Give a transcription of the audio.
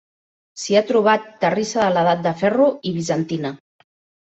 S'hi ha trobat terrissa de l'Edat de Ferro i bizantina.